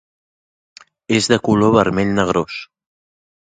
És de color vermell negrós.